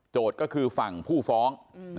โจทย์ก็คือฝั่งผู้ฟ้อง